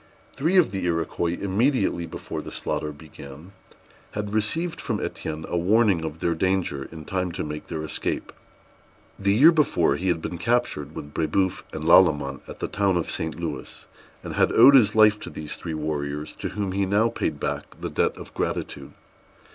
Three of the Iroquois, immediately before the slaughter began, had received from Étienne a warning of their danger in time to make their escape. The year before, he had been captured, with Brébeuf and Lalemant, at the town of St. Louis, and had owed his life to these three warriors, to whom he now paid back the debt of gratitude.